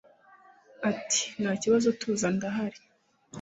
ati”ntakibazo tuza ndahari